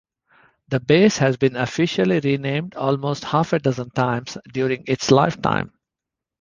The base has been officially renamed almost half-a-dozen times during its lifetime.